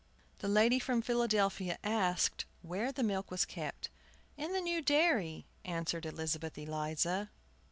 The lady from Philadelphia asked where the milk was kept. "In the new dairy," answered Elizabeth Eliza.